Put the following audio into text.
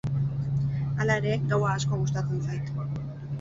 Hala ere, gaua asko gustatzen zait.